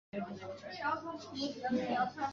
妳可以去试试看